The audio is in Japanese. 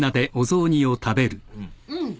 うん。